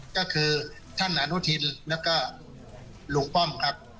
ก็คือท่านอนุทินแล้วก็ลุงป้อมครับ